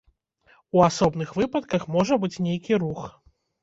У асобных выпадках можа быць нейкі рух.